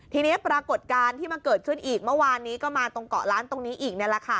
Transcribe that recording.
ทีนี้ปรากฏการณ์ที่มาเกิดขึ้นอีกเมื่อวานนี้ก็มาตรงเกาะล้านตรงนี้อีกนี่แหละค่ะ